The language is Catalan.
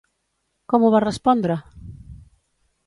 Com ho va respondre?